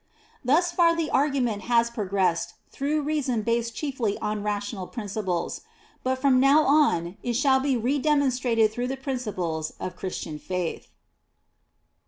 8. Thus far the argument has progressed through reas9n based chiefly on rational prin dples, but from now on it shall be re demon strated through the principles of Christian faith.